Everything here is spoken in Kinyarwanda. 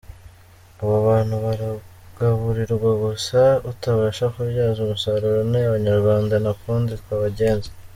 Abo bantu baragaburirwa gusa utabasha kubyaza umusaruro, ni abanyarwanda nta kundi twabagenza.